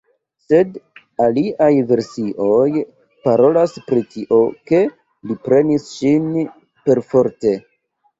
Sed aliaj versioj parolas pri tio, ke li prenis ŝin perforte.